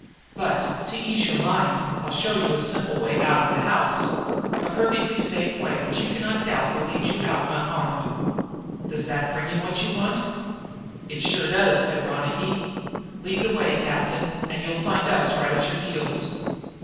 But, to ease your own mind, I'll show you a simple way out of the house a perfectly safe way which even you cannot doubt will lead you out unharmed. Does that bring you what you want?" "It sure does," said Ronicky. "Lead the way, captain, and you'll find us right at your heels."